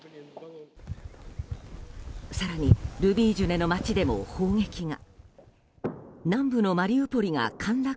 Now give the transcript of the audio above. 更に、ルビージュネの街でも砲撃が。